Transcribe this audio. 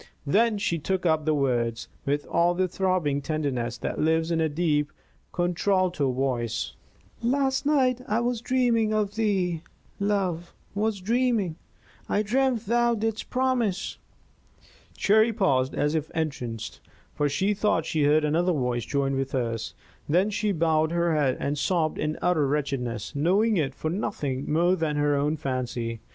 Then she took up the words, with all the throbbing tenderness that lives in a deep, contralto voice: "Last night I was dreaming of thee, love was dreaming; I dreamed thou didst promise " Cherry paused as if entranced, for she thought she heard another voice join with hers; then she bowed her head and sobbed in utter wretchedness, knowing it for nothing more than her own fancy.